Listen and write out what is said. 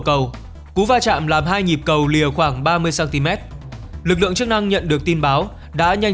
cầu cú va chạm làm hai nhịp cầu lìa khoảng ba mươi cm lực lượng chức năng nhận được tin báo đã nhanh